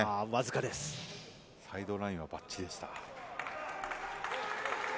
サイドラインはバッチリでした。